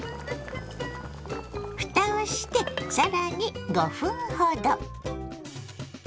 ふたをして更に５分ほど。